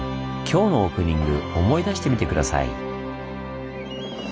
今日のオープニング思い出してみて下さい。